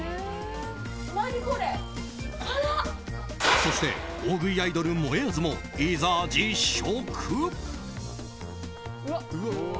そして、大食いアイドルもえあずも、いざ実食。